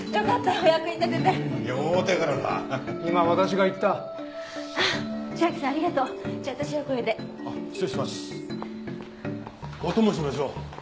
お供しましょう。